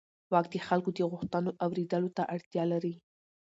واک د خلکو د غوښتنو اورېدلو ته اړتیا لري.